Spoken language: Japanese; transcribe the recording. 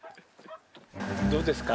どうですか？